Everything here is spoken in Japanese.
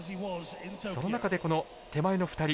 その中で、手前の２人。